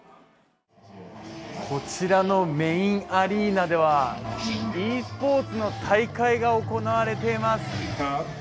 こちらのメインアリーナではｅスポーツの大会が行われています。